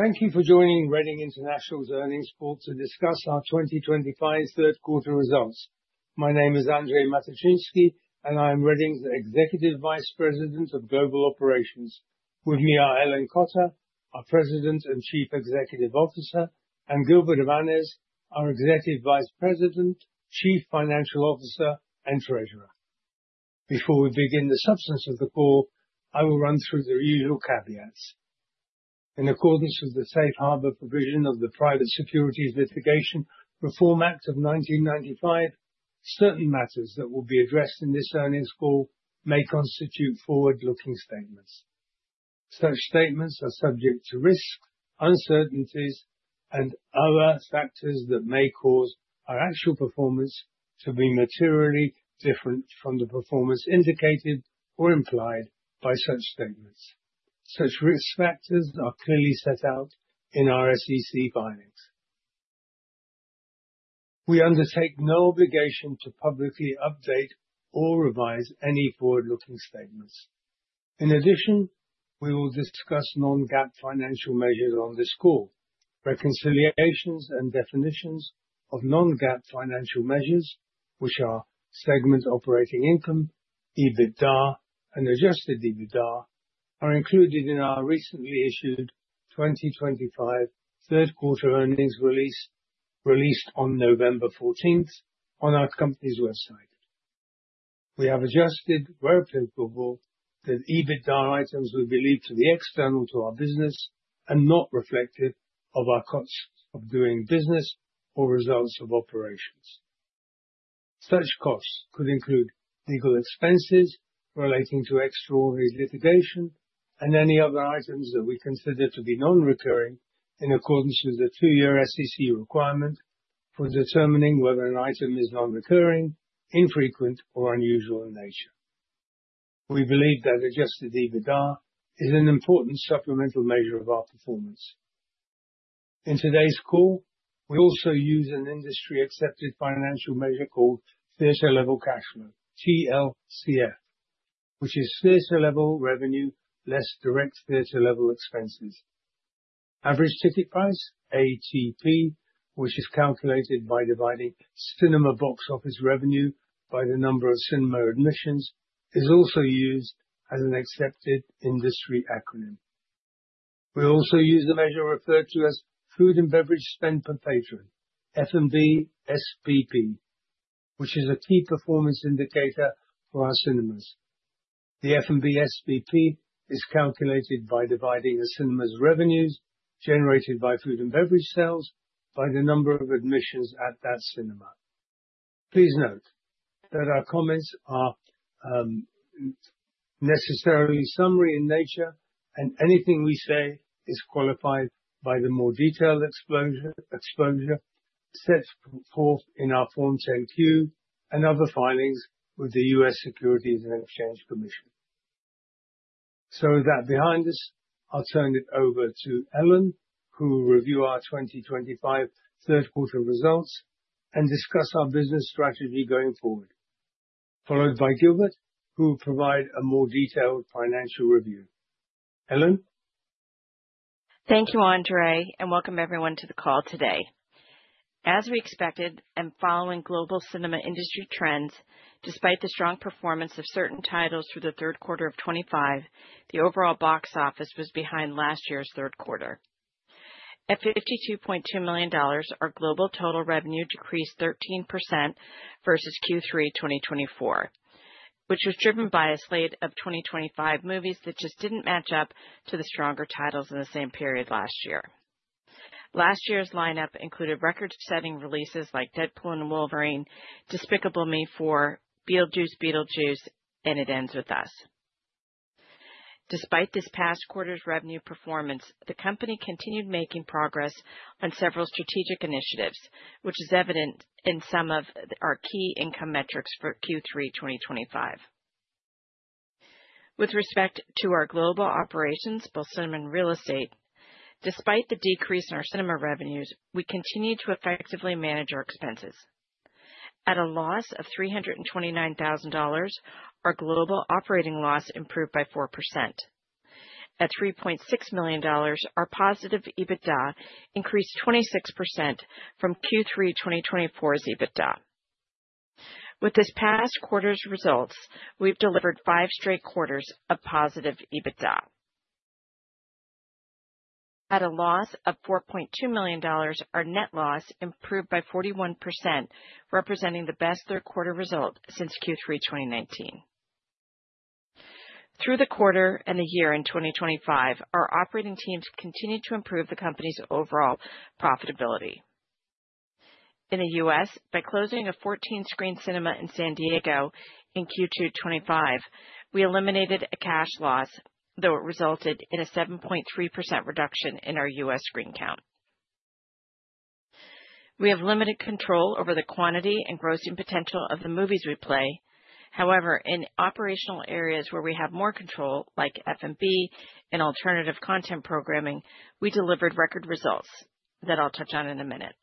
Thank you for joining Reading International's earnings call to discuss our 2025 third-quarter results. My name is Andrzej Matyczynski, and I am Reading's Executive Vice President of Global Operations. With me are Ellen Cotter, our President and Chief Executive Officer, and Gilbert Avanes, our Executive Vice President, Chief Financial Officer, and Treasurer. Before we begin the substance of the call, I will run through the usual caveats. In accordance with the Safe Harbor provision of the Private Securities Litigation Reform Act of 1995, certain matters that will be addressed in this earnings call may constitute forward-looking statements. Such statements are subject to risks, uncertainties, and other factors that may cause our actual performance to be materially different from the performance indicated or implied by such statements. Such risk factors are clearly set out in our SEC filings. We undertake no obligation to publicly update or revise any forward-looking statements. In addition, we will discuss non-GAAP financial measures on this call. Reconciliations and definitions of non-GAAP financial measures, which are Segment Operating Income, EBITDA, and Adjusted EBITDA, are included in our recently issued 2025 third-quarter earnings release released on November 14 on our company's website. We have adjusted where applicable that EBITDA items will be linked to the external to our business and not reflective of our costs of doing business or results of operations. Such costs could include legal expenses relating to extraordinary litigation and any other items that we consider to be non-recurring in accordance with the two-year SEC requirement for determining whether an item is non-recurring, infrequent, or unusual in nature. We believe that Adjusted EBITDA is an important supplemental measure of our performance. In today's call, we also use an industry-accepted financial measure called Theater Level Cash Flow, TLCF, which is Theater Level Revenue less Direct Theatre Level Expenses. Average Ticket Price, ATP, which is calculated by dividing cinema box office revenue by the number of cinema admissions, is also used as an accepted industry acronym. We also use a measure referred to as Food and Beverage Spend per Patron, F&B SPP, which is a key performance indicator for our cinemas. The F&B SPP is calculated by dividing a cinema's revenues generated by food and beverage sales by the number of admissions at that cinema. Please note that our comments are necessarily summary in nature, and anything we say is qualified by the more detailed exposure set forth in our Form 10-Q and other filings with the U.S. Securities and Exchange Commission. With that behind us, I'll turn it over to Ellen, who will review our 2025 third-quarter results and discuss our business strategy going forward, followed by Gilbert, who will provide a more detailed financial review. Ellen. Thank you, Andrzej, and welcome everyone to the call today. As we expected, and following global cinema industry trends, despite the strong performance of certain titles through the third quarter of 2025, the overall box office was behind last year's third quarter. At $52.2 million, our global total revenue decreased 13% versus Q3 2024, which was driven by a slate of 2025 movies that just did not match up to the stronger titles in the same period last year. Last year's lineup included record-setting releases like Deadpool & Wolverine, Despicable Me 4, Beetlejuice Beetlejuice, and It Ends with Us. Despite this past quarter's revenue performance, the company continued making progress on several strategic initiatives, which is evident in some of our key income metrics for Q3 2025. With respect to our global operations, both cinema and real estate, despite the decrease in our cinema revenues, we continue to effectively manage our expenses. At a loss of $329,000, our global operating loss improved by 4%. At $3.6 million, our positive EBITDA increased 26% from Q3 2024's EBITDA. With this past quarter's results, we've delivered five straight quarters of positive EBITDA. At a loss of $4.2 million, our net loss improved by 41%, representing the best third-quarter result since Q3 2019. Through the quarter and the year in 2025, our operating teams continued to improve the company's overall profitability. In the U.S., by closing a 14-screen cinema in San Diego in Q2 2025, we eliminated a cash loss, though it resulted in a 7.3% reduction in our U.S. screen count. We have limited control over the quantity and grossing potential of the movies we play. However, in operational areas where we have more control, like F&B and alternative content programming, we delivered record results that I'll touch on in a minute.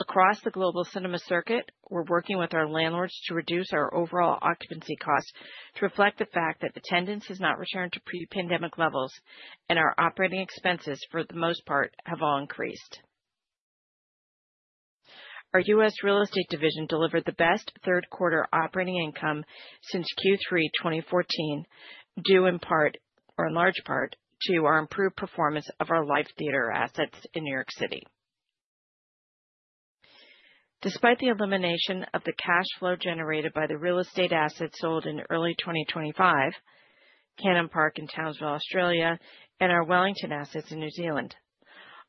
Across the global cinema circuit, we're working with our landlords to reduce our overall occupancy costs to reflect the fact that attendance has not returned to pre-pandemic levels, and our operating expenses, for the most part, have all increased. Our U.S. real estate division delivered the best third-quarter operating income since Q3 2014, due in part or in large part to our improved performance of our live theater assets in New York City. Despite the elimination of the cash flow generated by the real estate assets sold in early 2025, Cannon Park in Townsville, Australia, and our Wellington assets in New Zealand,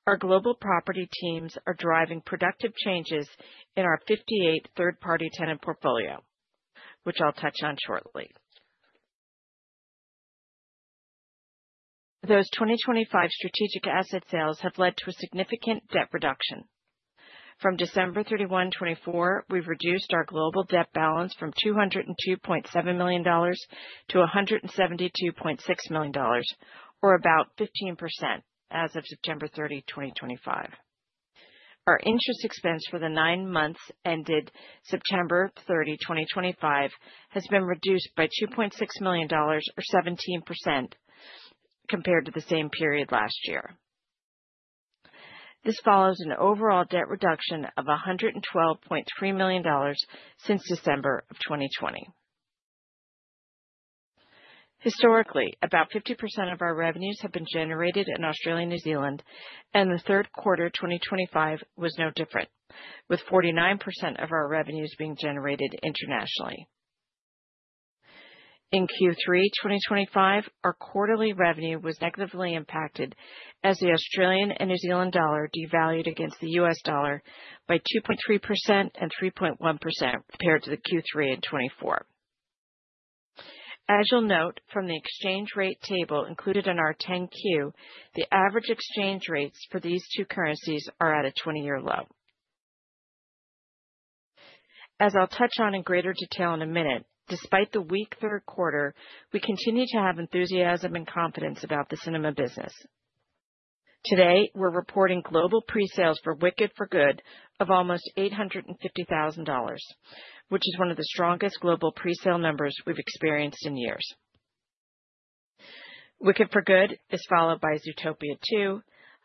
our global property teams are driving productive changes in our 58 third-party tenant portfolio, which I'll touch on shortly. Those 2025 strategic asset sales have led to a significant debt reduction. From December 31, 2024, we've reduced our global debt balance from $202.7 million–$172.6 million, or about 15% as of September 30, 2025. Our interest expense for the nine months ended September 30, 2025, has been reduced by $2.6 million, or 17%, compared to the same period last year. This follows an overall debt reduction of $112.3 million since December of 2020. Historically, about 50% of our revenues have been generated in Australia and New Zealand, and the third quarter 2025 was no different, with 49% of our revenues being generated internationally. In Q3 2025, our quarterly revenue was negatively impacted as the Australian and New Zealand dollar devalued against the US dollar by 2.3% and 3.1% compared to the Q3 in 2024. As you'll note from the exchange rate table included in our 10-Q, the average exchange rates for these two currencies are at a 20-year low. As I'll touch on in greater detail in a minute, despite the weak third quarter, we continue to have enthusiasm and confidence about the cinema business. Today, we're reporting global pre-sales for Wicked of almost $850,000, which is one of the strongest global pre-sale numbers we've experienced in years. Wicked is followed by Zootopia 2,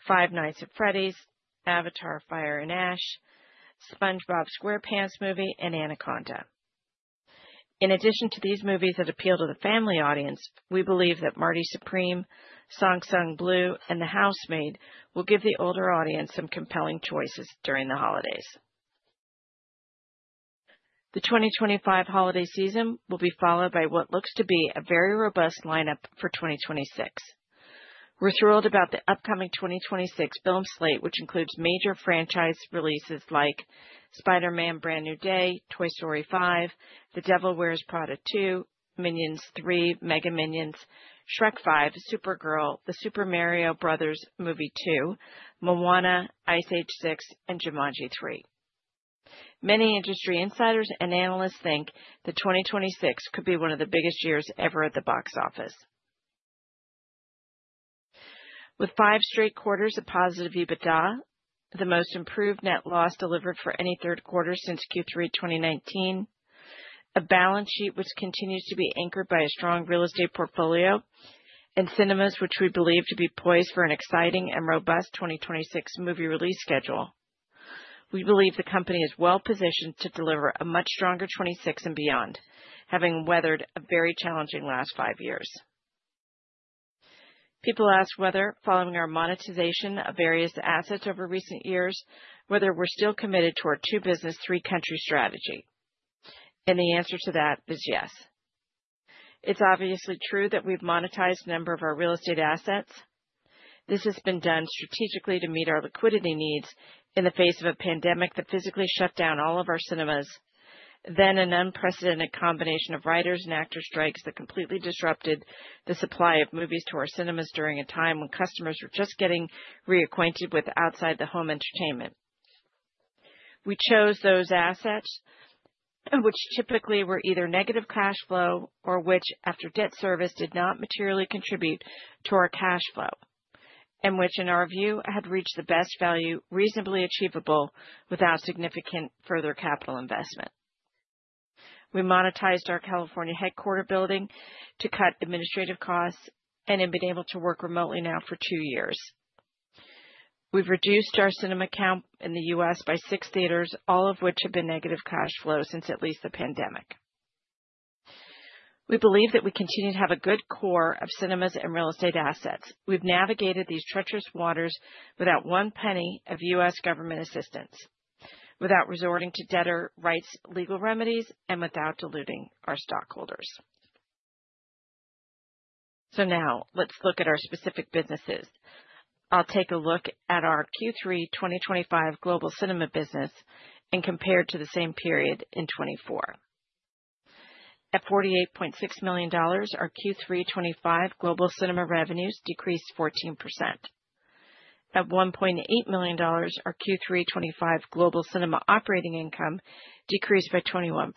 Five Nights at Freddy's, Avatar: Fire and Ash, SpongeBob SquarePants Movie, and Anaconda. In addition to these movies that appeal to the family audience, we believe that Marty Supreme, Song Sung Blue, and The Housemaid will give the older audience some compelling choices during the holidays. The 2025 holiday season will be followed by what looks to be a very robust lineup for 2026. We're thrilled about the upcoming 2026 film slate, which includes major franchise releases like Spider-Man: Brand New Day, Toy Story 5, The Devil Wears Prada 2, Minions 3, Mega Minions, Shrek 5, Supergirl, The Super Mario Bros. Movie 2, Moana, Ice Age 6, and Jumanji 3. Many industry insiders and analysts think the 2026 could be one of the biggest years ever at the box office. With five straight quarters of positive EBITDA, the most improved net loss delivered for any third quarter since Q3 2019, a balance sheet which continues to be anchored by a strong real estate portfolio, and cinemas which we believe to be poised for an exciting and robust 2026 movie release schedule, we believe the company is well positioned to deliver a much stronger 2026 and beyond, having weathered a very challenging last five years. People ask whether, following our monetization of various assets over recent years, whether we're still committed to our two-business, three-country strategy. The answer to that is yes. It's obviously true that we've monetized a number of our real estate assets. This has been done strategically to meet our liquidity needs in the face of a pandemic that physically shut down all of our cinemas, then an unprecedented combination of writers and actors' strikes that completely disrupted the supply of movies to our cinemas during a time when customers were just getting reacquainted with outside-the-home entertainment. We chose those assets which typically were either negative cash flow or which, after debt service, did not materially contribute to our cash flow and which, in our view, had reached the best value reasonably achievable without significant further capital investment. We monetized our California headquarter building to cut administrative costs and have been able to work remotely now for two years. We've reduced our cinema count in the U.S. by six theaters, all of which have been negative cash flow since at least the pandemic. We believe that we continue to have a good core of cinemas and real estate assets. We've navigated these treacherous waters without one penny of U.S. government assistance, without resorting to debtor rights legal remedies, and without diluting our stockholders. Now let's look at our specific businesses. I'll take a look at our Q3 2025 global cinema business and compare it to the same period in 2024. At $48.6 million, our Q3 2025 global cinema revenues decreased 14%. At $1.8 million, our Q3 2025 global cinema operating income decreased by 21%.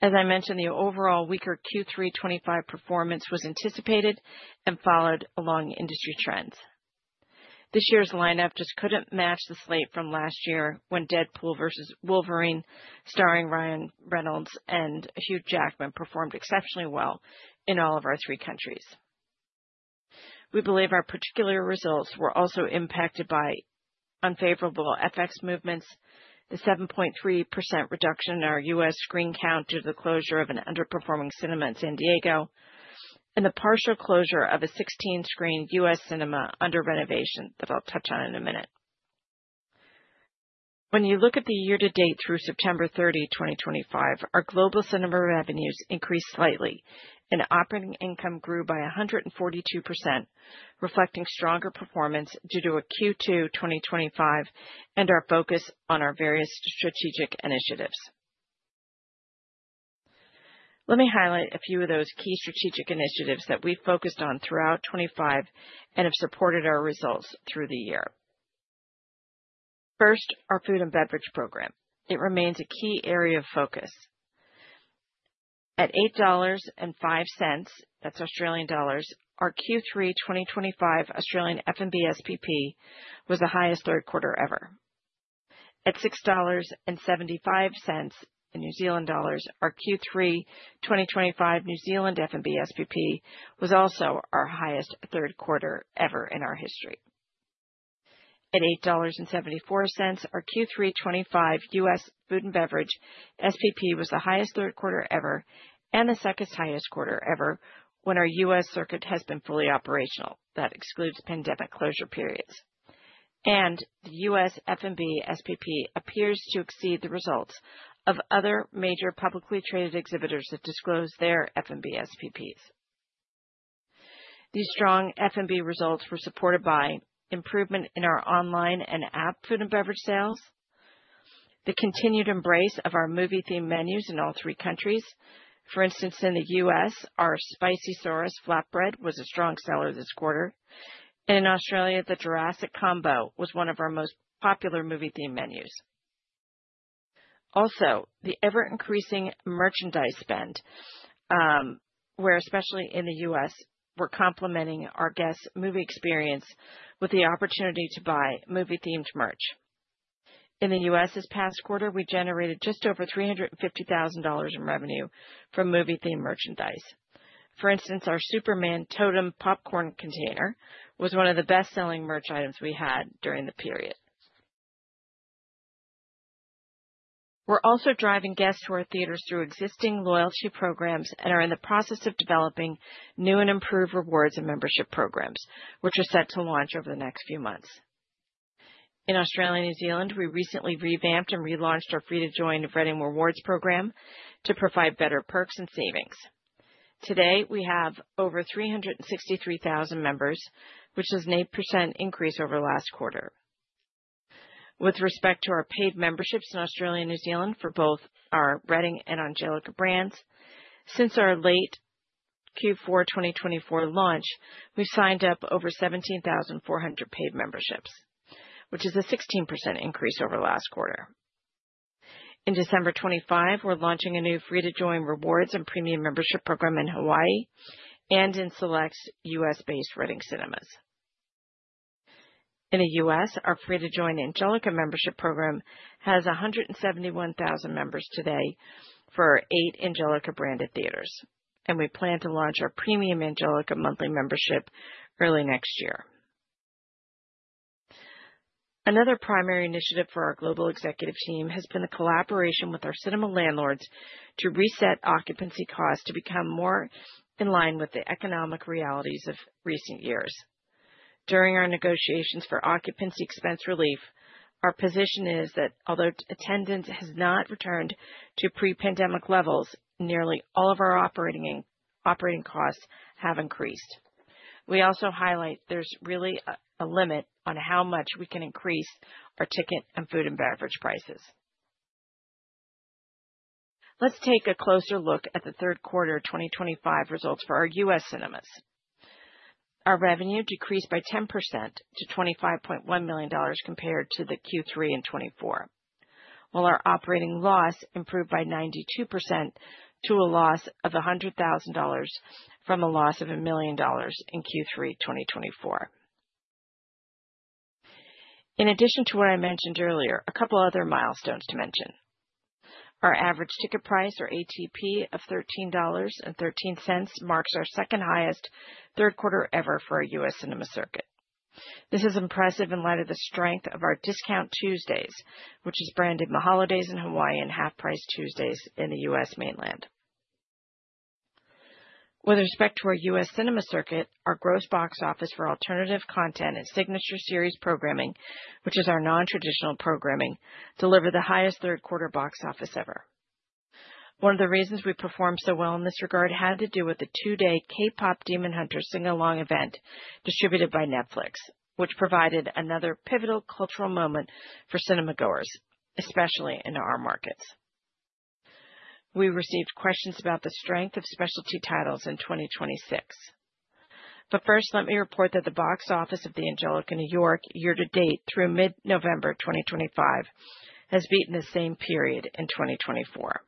As I mentioned, the overall weaker Q3 2025 performance was anticipated and followed along industry trends. This year's lineup just could not match the slate from last year when Deadpool & Wolverine, starring Ryan Reynolds and Hugh Jackman, performed exceptionally well in all of our three countries. We believe our particular results were also impacted by unfavorable FX movements, the 7.3% reduction in our U.S. screen count due to the closure of an underperforming cinema in San Diego, and the partial closure of a 16-screen U.S. cinema under renovation that I will touch on in a minute. When you look at the year-to-date through September 30, 2025, our global cinema revenues increased slightly, and operating income grew by 142%, reflecting stronger performance due to a Q2 2025 and our focus on our various strategic initiatives. Let me highlight a few of those key strategic initiatives that we've focused on throughout 2025 and have supported our results through the year. First, our food and beverage program. It remains a key area of focus. At 8.05 dollars, our Q3 2025 Australian F&B SPP was the highest third quarter ever. At 6.75 dollars, our Q3 2025 New Zealand F&B SPP was also our highest third quarter ever in our history. At $8.74, our Q3 2025 US food and beverage F&B SPP was the highest third quarter ever and the second highest quarter ever when our US circuit has been fully operational. That excludes pandemic closure periods. The US F&B SPP appears to exceed the results of other major publicly traded exhibitors that disclose their F&B SPPs. These strong F&B results were supported by improvement in our online and app food and beverage sales, the continued embrace of our movie-themed menus in all three countries. For instance, in the U.S., our spicy sauced flatbread was a strong seller this quarter. In Australia, the Jurassic Combo was one of our most popular movie-themed menus. Also, the ever-increasing merchandise spend, where especially in the U.S., we're complementing our guests' movie experience with the opportunity to buy movie-themed merch. In the U.S., this past quarter, we generated just over $350,000 in revenue from movie-themed merchandise. For instance, our Superman Totem Popcorn Container was one of the best-selling merch items we had during the period. We're also driving guests to our theaters through existing loyalty programs and are in the process of developing new and improved rewards and membership programs, which are set to launch over the next few months. In Australia and New Zealand, we recently revamped and relaunched our Free to Join reading Rewards program to provide better perks and savings. Today, we have over 363,000 members, which is an 8% increase over last quarter. With respect to our paid memberships in Australia and New Zealand for both our reading and Angelika brands, since our late Q4 2024 launch, we've signed up over 17,400 paid memberships, which is a 16% increase over last quarter. In December 2025, we're launching a new Free to Join Rewards and Premium Membership Program in Hawaii and in select U.S.-based reading cinemas. In the U.S., our Free to Join Angelika membership program has 171,000 members today for eight Angelika-branded theaters, and we plan to launch our Premium Angelika monthly membership early next year. Another primary initiative for our global executive team has been the collaboration with our cinema landlords to reset occupancy costs to become more in line with the economic realities of recent years. During our negotiations for occupancy expense relief, our position is that although attendance has not returned to pre-pandemic levels, nearly all of our operating costs have increased. We also highlight there's really a limit on how much we can increase our ticket and food and beverage prices. Let's take a closer look at the third quarter 2025 results for our U.S. cinemas. Our revenue decreased by 10% to $25.1 million compared to the Q3 in 2024, while our operating loss improved by 92% to a loss of $100,000 from a loss of $1 million in Q3 2024. In addition to what I mentioned earlier, a couple of other milestones to mention. Our average ticket price, or ATP, of $13.13 marks our second highest third quarter ever for our U.S. cinema circuit. This is impressive in light of the strength of our Discount Tuesdays, which is branded Maholidays in Hawaii and Half Price Tuesdays in the U.S. mainland. With respect to our U.S. cinema circuit, our gross box office for alternative content and signature series programming, which is our non-traditional programming, delivered the highest third quarter box office ever. One of the reasons we performed so well in this regard had to do with the two-day K-pop Demon Hunter sing-along event distributed by Netflix, which provided another pivotal cultural moment for cinema goers, especially in our markets. We received questions about the strength of specialty titles in 2026. First, let me report that the box office of the Angelika New York year-to-date through mid-November 2025 has beaten the same period in 2024.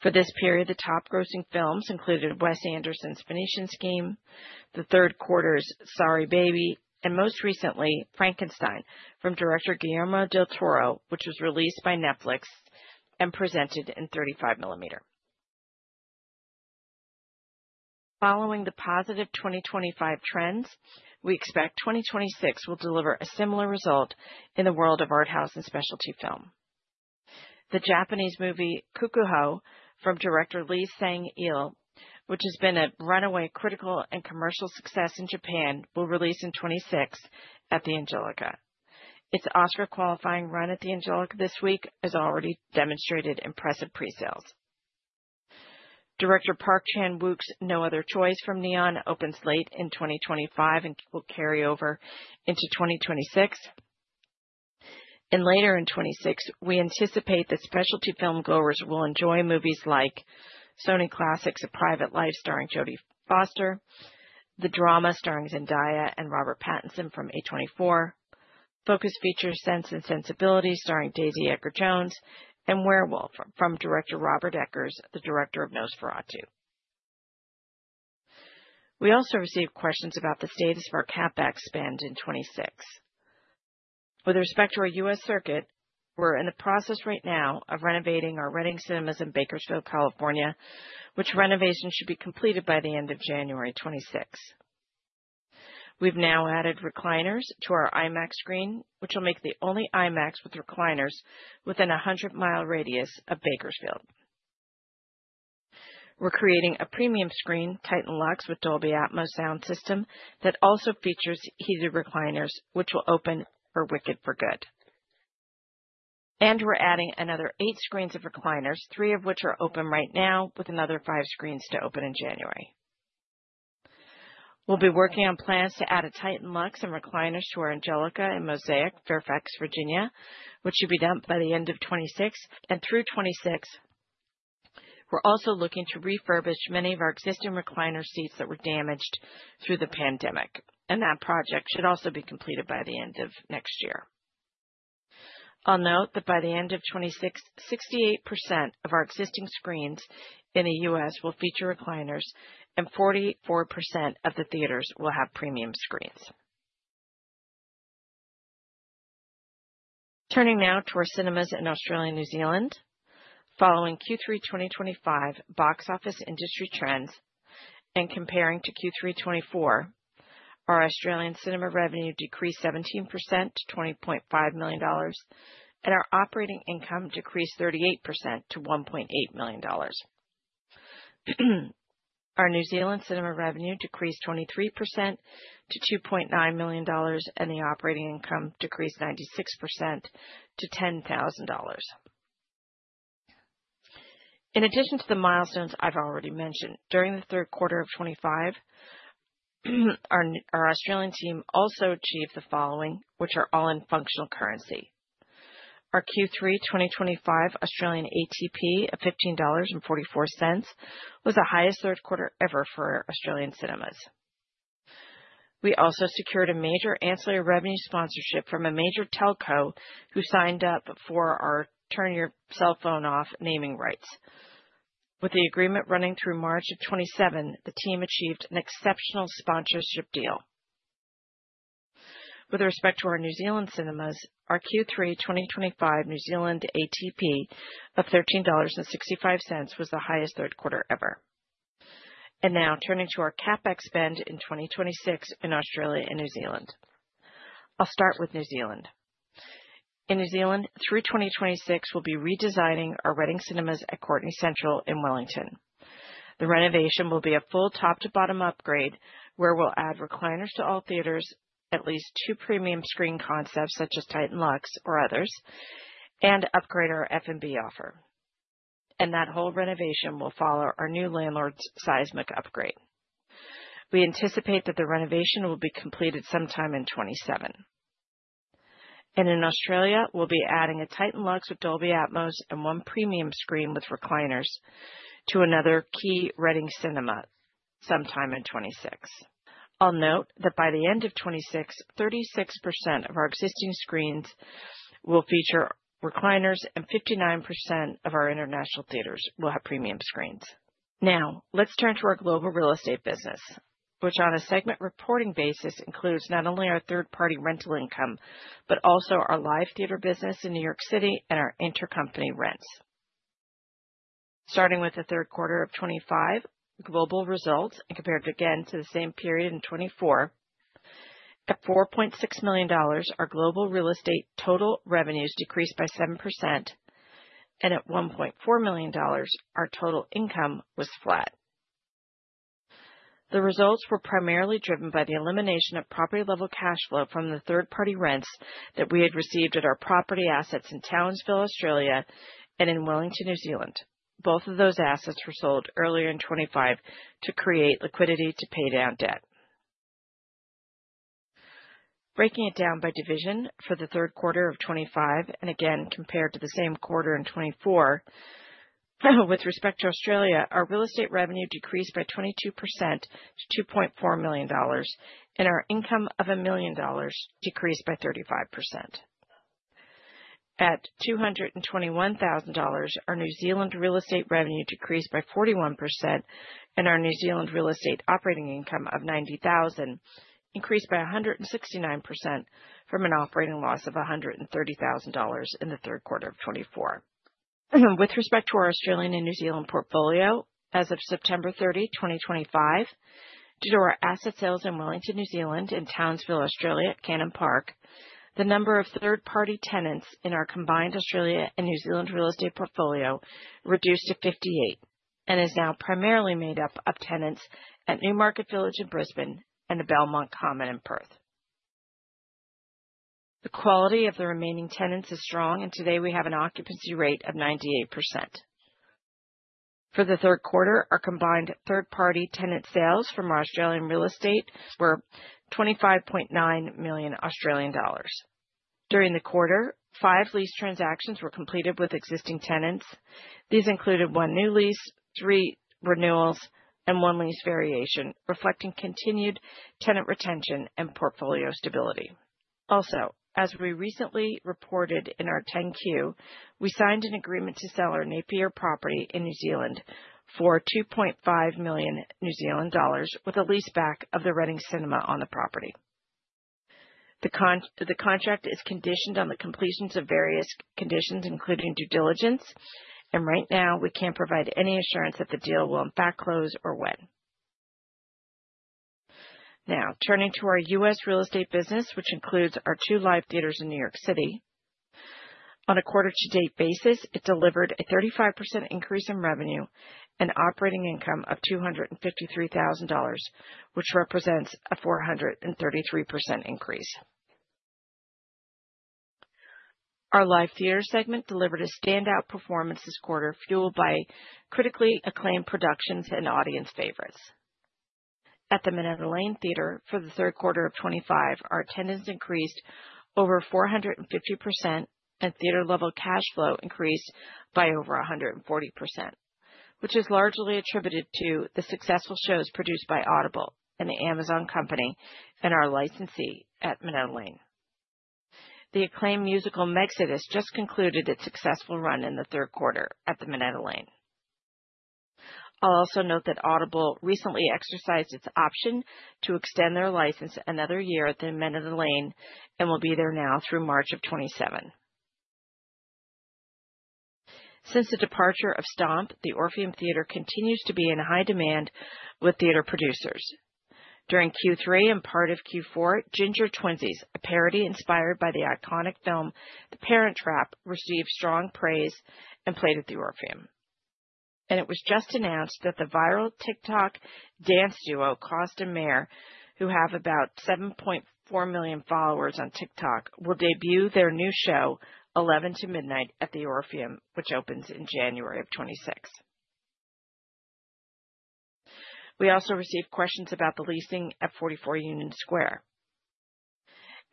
For this period, the top-grossing films included Wes Anderson's Phoenician Scheme, the third quarter's Sorry Baby, and most recently, Frankenstein from director Guillermo del Toro, which was released by Netflix and presented in 35 millimeter. Following the positive 2025 trends, we expect 2026 will deliver a similar result in the world of art house and specialty film. The Japanese movie Kokuhou from director Lee Sang-il, which has been a runaway critical and commercial success in Japan, will release in 2026 at the Angelika. Its Oscar-qualifying run at the Angelika this week has already demonstrated impressive pre-sales. Director Park Chan-wook's No Other Choice from Neon opens late in 2025 and will carry over into 2026. Later in 2026, we anticipate that specialty film goers will enjoy movies like Sony Pictures Classics' Private Life starring Jodie Foster, the drama starring Zendaya and Robert Pattinson from A24, Focus Features' Sense and Sensibility starring Daisy Edgar-Jones, and Werewolf from director Robert Eggers, the director of Nosferatu. We also received questions about the status of our CapEx spend in 2026. With respect to our U.S. circuit, we're in the process right now of renovating our Reading cinemas in Bakersfield, California, which renovation should be completed by the end of January 2026. We've now added recliners to our IMAX screen, which will make the only IMAX with recliners within a 100-mile radius of Bakersfield. We're creating a premium screen, TITAN LUXE, with Dolby Atmos sound system that also features heated recliners, which will open for Wicked. We're adding another eight screens of recliners, three of which are open right now, with another five screens to open in January. We'll be working on plans to add a TITAN LUXE and recliners to our Angelika in Mosaic, Fairfax, Virginia, which should be done by the end of 2026 and through 2026. We're also looking to refurbish many of our existing recliner seats that were damaged through the pandemic, and that project should also be completed by the end of next year. I'll note that by the end of 2026, 68% of our existing screens in the U.S. will feature recliners, and 44% of the theaters will have premium screens. Turning now to our cinemas in Australia and New Zealand, following Q3 2025 box office industry trends and comparing to Q3 2024, our Australian cinema revenue decreased 17% to 20.5 million dollars, and our operating income decreased 38% to 1.8 million dollars. Our New Zealand cinema revenue decreased 23% to 2.9 million dollars, and the operating income decreased 96% to 10,000 dollars. In addition to the milestones I've already mentioned, during the third quarter of 2025, our Australian team also achieved the following, which are all in functional currency. Our Q3 2025 Australian ATP of 15.44 dollars was the highest third quarter ever for Australian cinemas. We also secured a major ancillary revenue sponsorship from a major telco who signed up for our Turn Your Cell Phone Off naming rights. With the agreement running through March of 2027, the team achieved an exceptional sponsorship deal. With respect to our New Zealand cinemas, our Q3 2025 New Zealand ATP of $13.65 was the highest third quarter ever. Now turning to our CapEx spend in 2026 in Australia and New Zealand, I'll start with New Zealand. In New Zealand, through 2026, we'll be redesigning our Reading Cinemas at Courtenay Central in Wellington. The renovation will be a full top-to-bottom upgrade, where we'll add recliners to all theaters, at least two premium screen concepts such as TITAN LUXE or others, and upgrade our F&B offer. That whole renovation will follow our new landlord's seismic upgrade. We anticipate that the renovation will be completed sometime in 2027. In Australia, we'll be adding a TITAN LUXE with Dolby Atmos and one premium screen with recliners to another key Reading cinema sometime in 2026. I'll note that by the end of 2026, 36% of our existing screens will feature recliners, and 59% of our international theaters will have premium screens. Now, let's turn to our global real estate business, which on a segment reporting basis includes not only our third-party rental income, but also our live theater business in New York City and our intercompany rents. Starting with the third quarter of 2025, global results and compared again to the same period in 2024, at $4.6 million, our global real estate total revenues decreased by 7%, and at $1.4 million, our total income was flat. The results were primarily driven by the elimination of property-level cash flow from the third-party rents that we had received at our property assets in Townsville, Australia, and in Wellington, New Zealand. Both of those assets were sold earlier in 2025 to create liquidity to pay down debt. Breaking it down by division for the third quarter of 2025, and again compared to the same quarter in 2024, with respect to Australia, our real estate revenue decreased by 22% to $2.4 million, and our income of $1 million decreased by 35%. At $221,000, our New Zealand real estate revenue decreased by 41%, and our New Zealand real estate operating income of $90,000 increased by 169% from an operating loss of $130,000 in the third quarter of 2024. With respect to our Australian and New Zealand portfolio, as of September 30, 2025, due to our asset sales in Wellington, New Zealand, and Townsville, Australia at Cannon Park, the number of third-party tenants in our combined Australia and New Zealand real estate portfolio reduced to 58 and is now primarily made up of tenants at Newmarket Village in Brisbane and the Belmont Common in Perth. The quality of the remaining tenants is strong, and today we have an occupancy rate of 98%. For the third quarter, our combined third-party tenant sales from our Australian real estate were 25.9 million Australian dollars. During the quarter, five lease transactions were completed with existing tenants. These included one new lease, three renewals, and one lease variation, reflecting continued tenant retention and portfolio stability. Also, as we recently reported in our Form 10-Q, we signed an agreement to sell our Napier property in New Zealand for 2.5 million New Zealand dollars, with a lease back of the Reading cinema on the property. The contract is conditioned on the completions of various conditions, including due diligence, and right now we can't provide any assurance that the deal will in fact close or when. Now, turning to our U.S. real estate business, which includes our two live theaters in New York City, on a quarter-to-date basis, it delivered a 35% increase in revenue and operating income of $253,000, which represents a 433% increase. Our live theater segment delivered a standout performance this quarter, fueled by critically acclaimed productions and audience favorites. At the Minetta Lane Theatre for the third quarter of 2025, our attendance increased over 450% and theater-level cash flow increased by over 140%, which is largely attributed to the successful shows produced by Audible and the Amazon company and our licensee at Minetta Lane. The acclaimed musical Mexodus just concluded its successful run in the third quarter at the Minetta Lane. I'll also note that Audible recently exercised its option to extend their license another year at the Minetta Lane and will be there now through March of 2027. Since the departure of Stomp, the Orpheum Theatre continues to be in high demand with theater producers. During Q3 and part of Q4, Ginger Minj's, a parody inspired by the iconic film The Parent Trap, received strong praise and played at the Orpheum. It was just announced that the viral TikTok dance duo, Costo n' Mayor, who have about 7.4 million followers on TikTok, will debut their new show, 11 to Midnight, at the Orpheum, which opens in January of 2026. We also received questions about the leasing at 44 Union Square.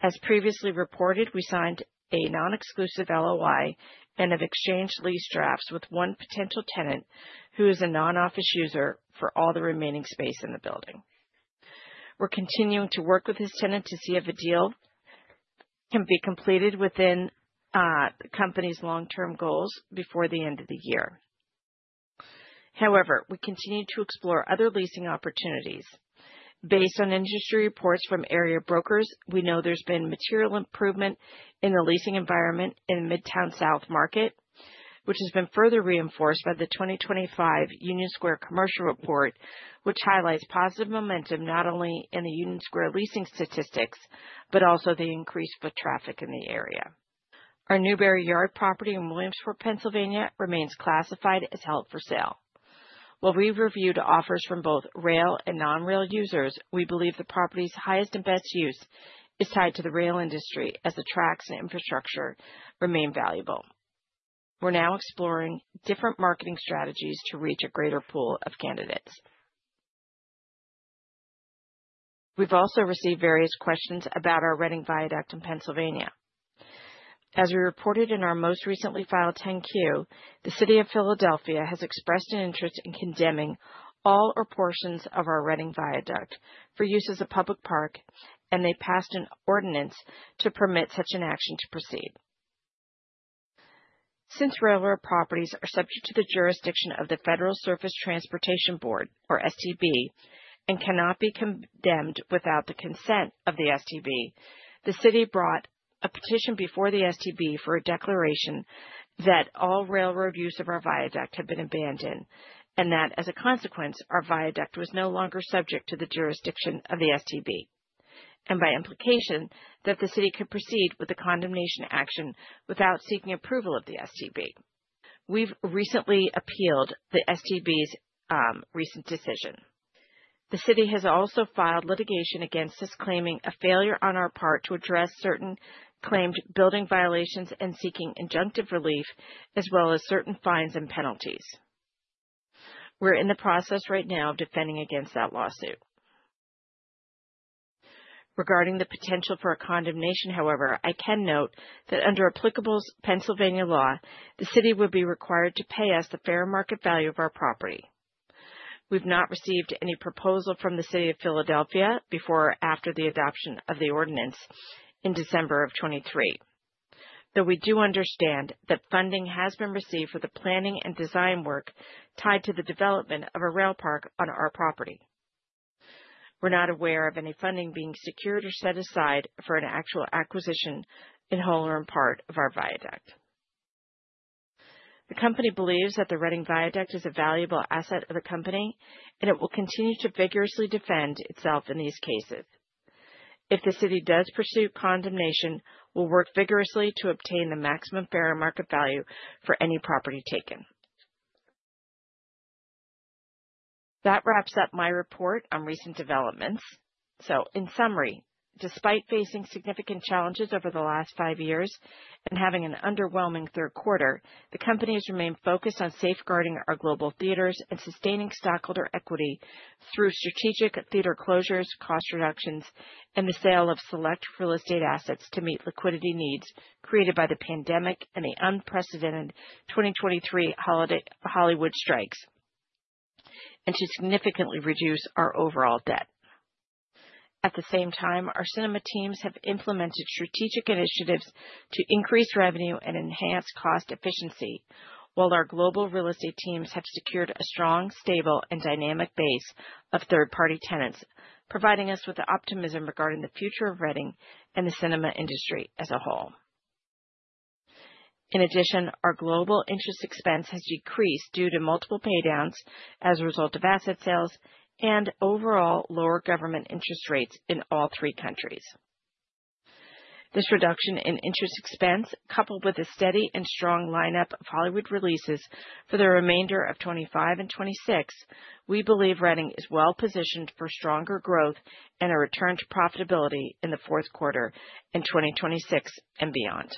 As previously reported, we signed a non-exclusive LOI and have exchanged lease drafts with one potential tenant who is a non-office user for all the remaining space in the building. We are continuing to work with this tenant to see if a deal can be completed within the company's long-term goals before the end of the year. However, we continue to explore other leasing opportunities. Based on industry reports from area brokers, we know there's been material improvement in the leasing environment in the Midtown South market, which has been further reinforced by the 2025 Union Square commercial report, which highlights positive momentum not only in the Union Square leasing statistics, but also the increase for traffic in the area. Our Newberry Yard property in Williamsport, Pennsylvania, remains classified as held for sale. While we've reviewed offers from both rail and non-rail users, we believe the property's highest and best use is tied to the rail industry as the tracks and infrastructure remain valuable. We're now exploring different marketing strategies to reach a greater pool of candidates. We've also received various questions about our Reading Viaduct in Pennsylvania. As we reported in our most recently filed 10–Q, the City of Philadelphia has expressed an interest in condemning all or portions of our Reading Viaduct for use as a public park, and they passed an ordinance to permit such an action to proceed. Since railroad properties are subject to the jurisdiction of the Federal Surface Transportation Board, or STB, and cannot be condemned without the consent of the STB, the city brought a petition before the STB for a declaration that all railroad use of our viaduct had been abandoned and that, as a consequence, our viaduct was no longer subject to the jurisdiction of the STB, and by implication that the city could proceed with the condemnation action without seeking approval of the STB. We've recently appealed the STB's recent decision. The city has also filed litigation against us, claiming a failure on our part to address certain claimed building violations and seeking injunctive relief, as well as certain fines and penalties. We're in the process right now of defending against that lawsuit. Regarding the potential for a condemnation, however, I can note that under applicable Pennsylvania law, the city would be required to pay us the fair market value of our property. We've not received any proposal from the City of Philadelphia before or after the adoption of the ordinance in December of 2023, though we do understand that funding has been received for the planning and design work tied to the development of a rail park on our property. We're not aware of any funding being secured or set aside for an actual acquisition in whole or in part of our viaduct. The company believes that the Reading Viaduct is a valuable asset of the company, and it will continue to vigorously defend itself in these cases. If the city does pursue condemnation, we'll work vigorously to obtain the maximum fair market value for any property taken. That wraps up my report on recent developments. In summary, despite facing significant challenges over the last five years and having an underwhelming third quarter, the company has remained focused on safeguarding our global theaters and sustaining stockholder equity through strategic theater closures, cost reductions, and the sale of select real estate assets to meet liquidity needs created by the pandemic and the unprecedented 2023 Hollywood strikes, and to significantly reduce our overall debt. At the same time, our cinema teams have implemented strategic initiatives to increase revenue and enhance cost efficiency, while our global real estate teams have secured a strong, stable, and dynamic base of third-party tenants, providing us with optimism regarding the future of Reading and the cinema industry as a whole. In addition, our global interest expense has decreased due to multiple paydowns as a result of asset sales and overall lower government interest rates in all three countries. This reduction in interest expense, coupled with a steady and strong lineup of Hollywood releases for the remainder of 2025 and 2026, we believe Reading is well positioned for stronger growth and a return to profitability in the fourth quarter in 2026 and beyond.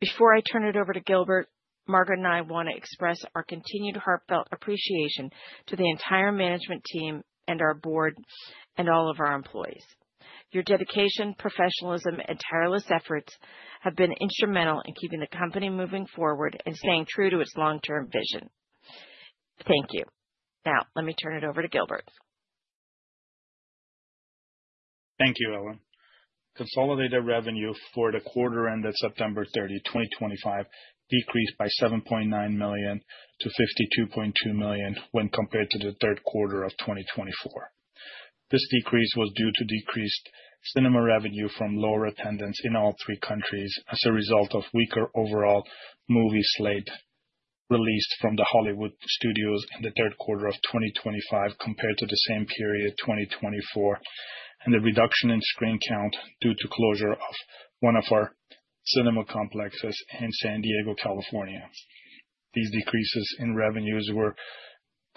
Before I turn it over to Gilbert, Margaret and I want to express our continued heartfelt appreciation to the entire management team and our board and all of our employees. Your dedication, professionalism, and tireless efforts have been instrumental in keeping the company moving forward and staying true to its long-term vision. Thank you. Now, let me turn it over to Gilbert. Thank you, Ellen. Consolidated revenue for the quarter ended September 30, 2025, decreased by $7.9 million to–$52.2 million when compared to the third quarter of 2024. This decrease was due to decreased cinema revenue from lower attendance in all three countries as a result of weaker overall movie slate released from the Hollywood studios in the third quarter of 2025 compared to the same period, 2024, and the reduction in screen count due to closure of one of our cinema complexes in San Diego, California. These decreases in revenues were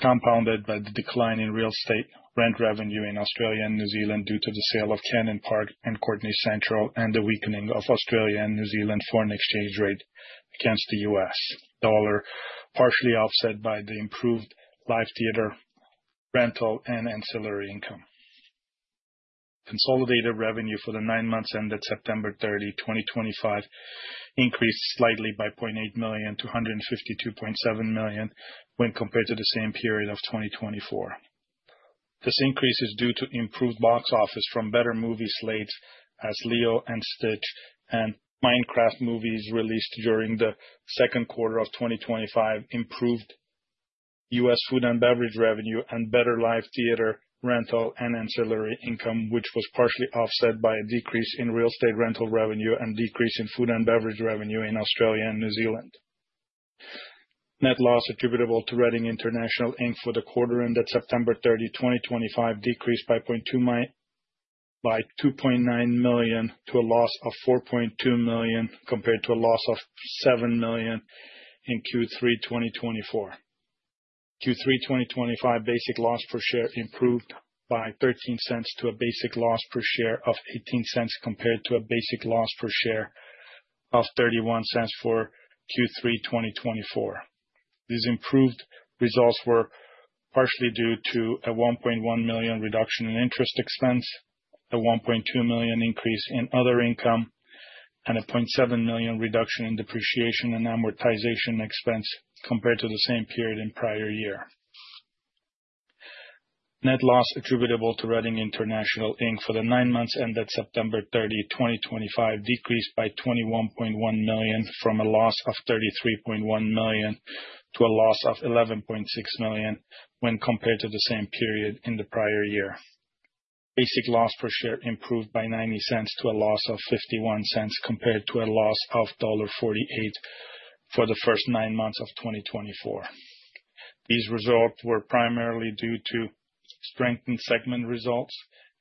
compounded by the decline in real estate rent revenue in Australia and New Zealand due to the sale of Cannon Park and Courtenay Central and the weakening of Australia and New Zealand foreign exchange rate against the US dollar, partially offset by the improved live theater rental and ancillary income. Consolidated revenue for the nine months ended September 30, 2025, increased slightly by $0.8 million–$152.7 million when compared to the same period of 2024. This increase is due to improved box office from better movie slates as Leo and Lilo & Stitch and Minecraft movies released during the second quarter of 2025, improved US food and beverage revenue and better live theater rental and ancillary income, which was partially offset by a decrease in real estate rental revenue and decrease in food and beverage revenue in Australia and New Zealand. Net loss attributable to Reading International for the quarter ended September 30, 2025, decreased by $0.2 million to a loss of $4.2 million compared to a loss of $7 million in Q3, 2024. Q3, 2025, basic loss per share improved by $0.13 to a basic loss per share of $0.18 compared to a basic loss per share of $0.31 for Q3, 2024. These improved results were partially due to a $1.1 million reduction in interest expense, a $1.2 million increase in other income, and a $0.7 million reduction in depreciation and amortization expense compared to the same period in prior year. Net loss attributable to Reading International for the nine months ended September 30, 2025, decreased by $21.1 million from a loss of $33.1 million to a loss of $11.6 million when compared to the same period in the prior year. Basic loss per share improved by $0.90 to a loss of $0.51 compared to a loss of $1.48 for the first nine months of 2024. These results were primarily due to strengthened segment results,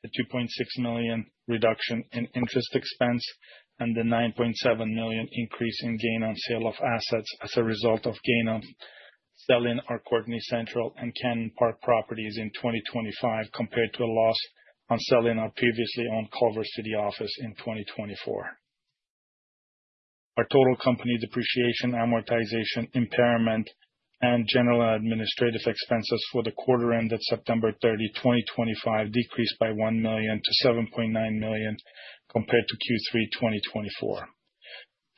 a $2.6 million reduction in interest expense, and the $9.7 million increase in gain on sale of assets as a result of gain on selling our Courtenay Central and Cannon Park properties in 2025 compared to a loss on selling our previously owned Culver City office in 2024. Our total company depreciation, amortization, impairment, and general administrative expenses for the quarter ended September 30, 2025, decreased by $1 million–$7.9 million compared to Q3, 2024.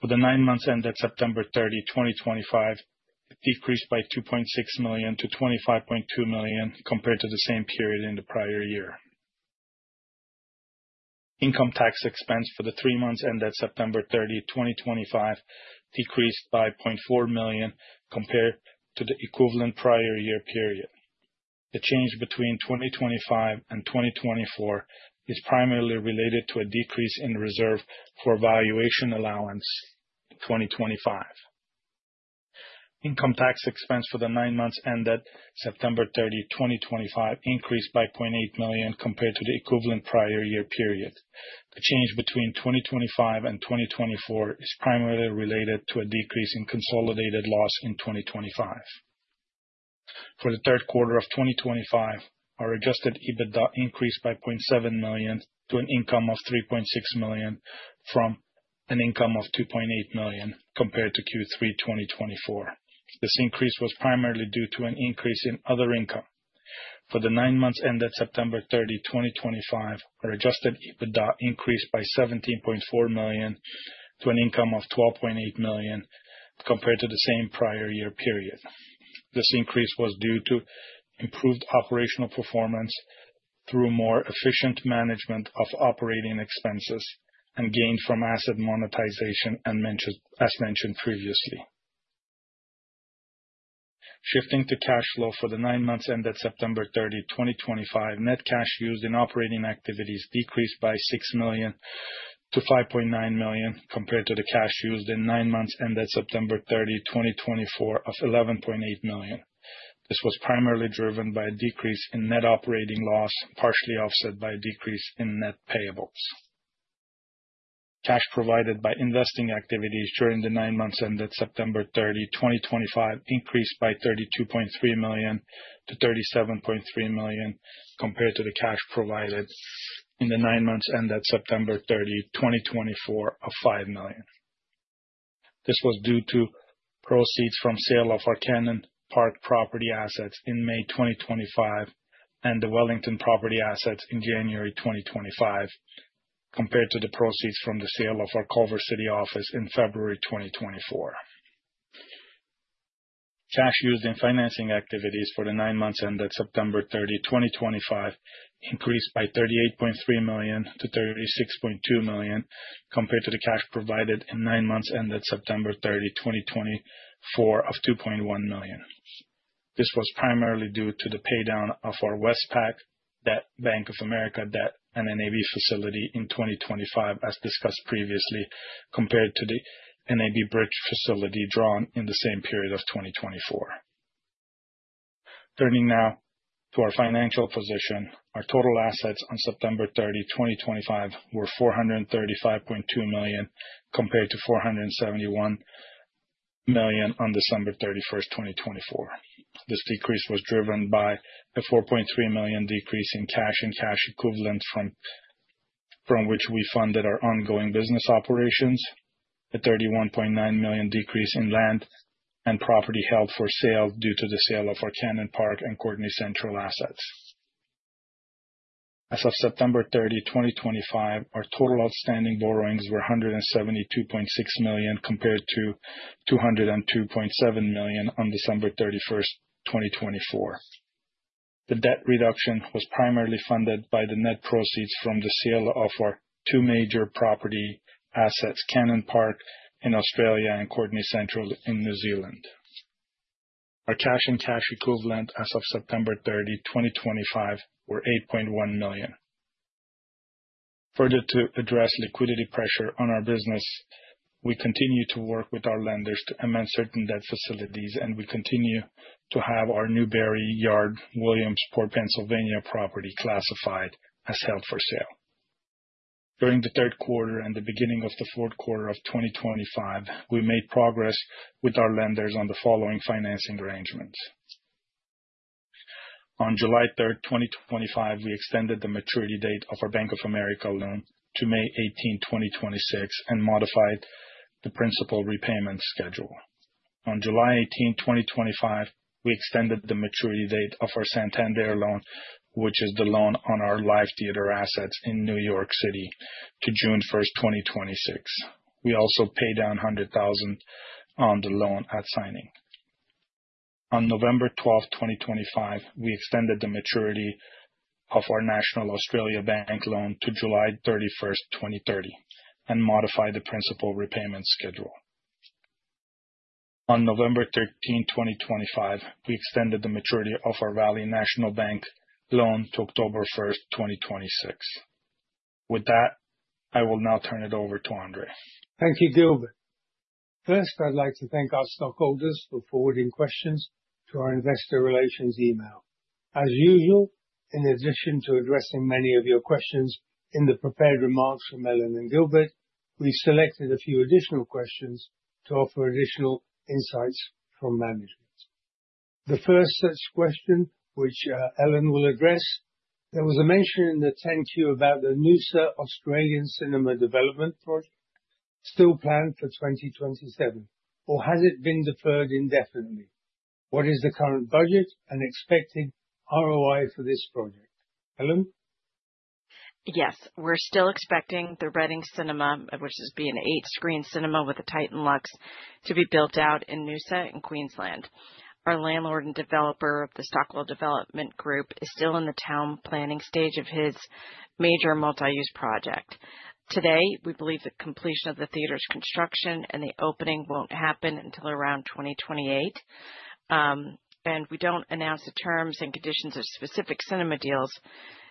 For the nine months ended September 30, 2025, decreased by $2.6 million–$25.2 million compared to the same period in the prior year. Income tax expense for the three months ended September 30, 2025, decreased by $0.4 million compared to the equivalent prior year period. The change between 2025 and 2024 is primarily related to a decrease in reserve for valuation allowance in 2025. Income tax expense for the nine months ended September 30, 2025, increased by $0.8 million compared to the equivalent prior year period. The change between 2025 and 2024 is primarily related to a decrease in consolidated loss in 2025. For the third quarter of 2025, our adjusted EBITDA increased by $0.7 million to an income of $3.6 million from an income of $2.8 million compared to Q3, 2024. This increase was primarily due to an increase in other income. For the nine months ended September 30, 2025, our adjusted EBITDA increased by $17.4 million to an income of $12.8 million compared to the same prior year period. This increase was due to improved operational performance through more efficient management of operating expenses and gain from asset monetization, as mentioned previously. Shifting to cash flow for the nine months ended September 30, 2025, net cash used in operating activities decreased by $6 million–$5.9 million compared to the cash used in nine months ended September 30, 2024, of $11.8 million. This was primarily driven by a decrease in net operating loss, partially offset by a decrease in net payables. Cash provided by investing activities during the nine months ended September 30, 2025, increased by $32.3 million–$37.3 million compared to the cash provided in the nine months ended September 30, 2024, of $5 million. This was due to proceeds from sale of our Cannon Park property assets in May 2025 and the Wellington property assets in January 2025, compared to the proceeds from the sale of our Culver City office in February 2024. Cash used in financing activities for the nine months ended September 30, 2025, increased by $38.3 million–$36.2 million compared to the cash provided in nine months ended September 30, 2024, of $2.1 million. This was primarily due to the paydown of our Westpac Bank of America debt and an NAB facility in 2025, as discussed previously, compared to the NAB Bridge facility drawn in the same period of 2024. Turning now to our financial position, our total assets on September 30, 2025, were $435.2 million compared to $471 million on December 31, 2024. This decrease was driven by a $4.3 million decrease in cash and cash equivalent from which we funded our ongoing business operations, a $31.9 million decrease in land and property held for sale due to the sale of our Cannon Park and Courtenay Central assets. As of September 30, 2025, our total outstanding borrowings were $172.6 million compared to $202.7 million on December 31, 2024. The debt reduction was primarily funded by the net proceeds from the sale of our two major property assets, Cannon Park in Australia and Courtenay Central in New Zealand. Our cash and cash equivalent as of September 30, 2025, were $8.1 million. Further to address liquidity pressure on our business, we continue to work with our lenders to amend certain debt facilities, and we continue to have our Newberry Yard Williamsport, Pennsylvania property classified as held for sale. During the third quarter and the beginning of the fourth quarter of 2025, we made progress with our lenders on the following financing arrangements. On July 3, 2025, we extended the maturity date of our Bank of America loan to May 18, 2026, and modified the principal repayment schedule. On July 18, 2025, we extended the maturity date of our Santander loan, which is the loan on our live theater assets in New York City, to June 1, 2026. We also paid down $100,000 on the loan at signing. On November 12, 2025, we extended the maturity of our National Australia Bank loan to July 31, 2030, and modified the principal repayment schedule. On November 13, 2025, we extended the maturity of our Valley National Bank loan to October 1, 2026. With that, I will now turn it over to Andrzej. Thank you, Gilbert. First, I'd like to thank our stockholders for forwarding questions to our investor relations email. As usual, in addition to addressing many of your questions in the prepared remarks from Ellen and Gilbert, we selected a few additional questions to offer additional insights from management. The first such question, which Ellen will address, there was a mention in the Form 10-Q about the Noosa Australian Cinema Development Project still planned for 2027, or has it been deferred indefinitely? What is the current budget and expected ROI for this project? Ellen? Yes. We're still expecting the reading Cinema, which is being an eight-screen cinema with a TITAN LUXE, to be built out in Noosa in Queensland. Our landlord and developer of the Stockwell Development Group is still in the town planning stage of his major multi-use project. Today, we believe the completion of the theater's construction and the opening will not happen until around 2028. We do not announce the terms and conditions of specific cinema deals.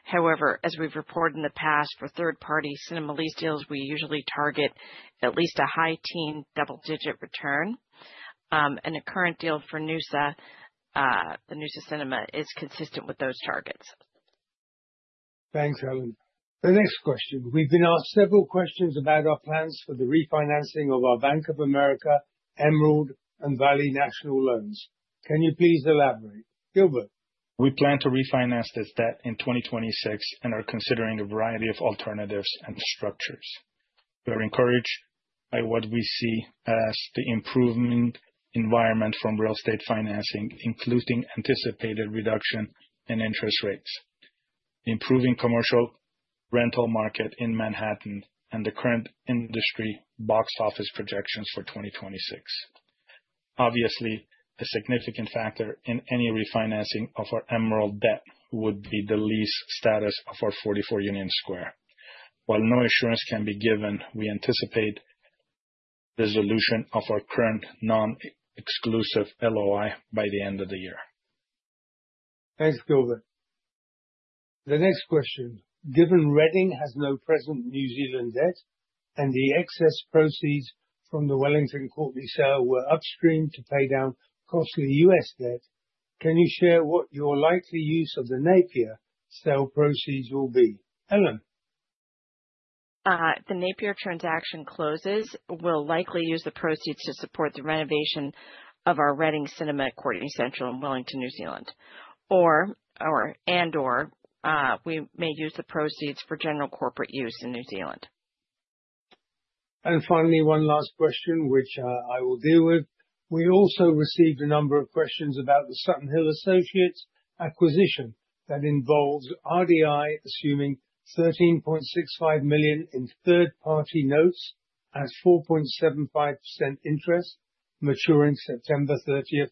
However, as we have reported in the past, for third-party cinema lease deals, we usually target at least a high-teen, double-digit return. The current deal for Noosa, the Noosa Cinema, is consistent with those targets. Thanks, Ellen. The next question. We have been asked several questions about our plans for the refinancing of our Bank of America, Emerald, and Valley National loans. Can you please elaborate? Gilbert? We plan to refinance this debt in 2026 and are considering a variety of alternatives and structures. We are encouraged by what we see as the improving environment for real estate financing, including anticipated reduction in interest rates, improving commercial rental market in Manhattan, and the current industry box office projections for 2026. Obviously, a significant factor in any refinancing of our Emerald debt would be the lease status of our 44 Union Square. While no assurance can be given, we anticipate resolution of our current non-exclusive LOI by the end of the year. Thanks, Gilbert. The next question. Given Reading has no present New Zealand debt and the excess proceeds from the Wellington Courtenay sale were upstream to pay down costly US debt, can you share what your likely use of the Napier sale proceeds will be? Ellen? If the Napier transaction closes, we'll likely use the proceeds to support the renovation of our Reading Cinema, Courtenay Central, and Wellington, New Zealand. And/or, we may use the proceeds for general corporate use in New Zealand. Finally, one last question, which I will deal with. We also received a number of questions about the Sutton Hill Associates acquisition that involves RDI assuming $13.65 million in third-party notes at 4.75% interest, maturing September 30,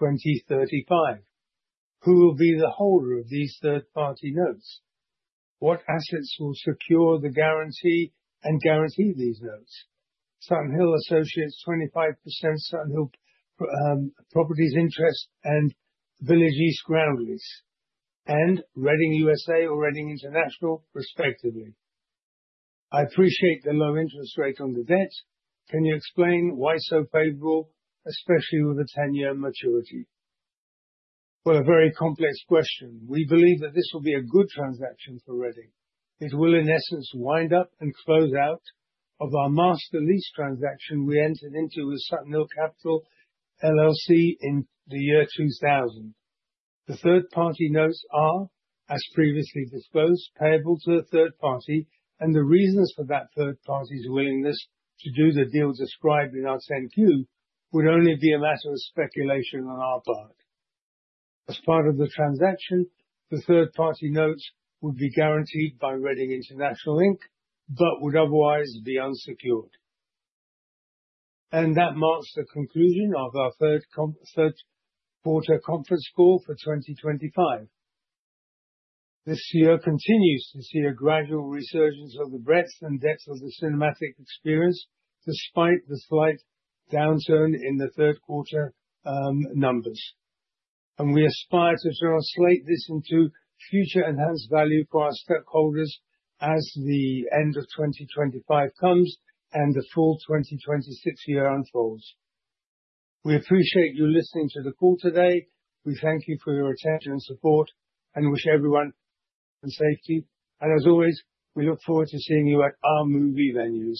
2035. Who will be the holder of these third-party notes? What assets will secure the guarantee and guarantee these notes? Sutton Hill Associates, 25% Sutton Hill Properties interest and Village East Ground Lease, and Reading USA or Reading International, respectively. I appreciate the low interest rate on the debt. Can you explain why so favorable, especially with a 10-year maturity? A very complex question. We believe that this will be a good transaction for Reading. It will, in essence, wind up and close out of our master lease transaction we entered into with Sutton Hill Capital in the year 2000. The third-party notes are, as previously disclosed, payable to a third party, and the reasons for that third party's willingness to do the deal described in our 10–Q would only be a matter of speculation on our part. As part of the transaction, the third-party notes would be guaranteed by Reading International, but would otherwise be unsecured. That marks the conclusion of our third quarter conference call for 2025. This year continues to see a gradual resurgence of the breadth and depth of the cinematic experience, despite the slight downturn in the third quarter numbers. We aspire to translate this into future enhanced value for our stockholders as the end of 2025 comes and the full 2026 year unfolds. We appreciate you listening to the call today. We thank you for your attention and support and wish everyone safety. As always, we look forward to seeing you at our movie venues.